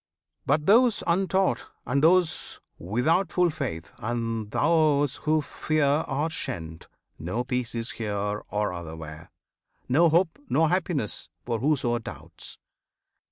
But those untaught, And those without full faith, and those who fear Are shent; no peace is here or other where, No hope, nor happiness for whoso doubts.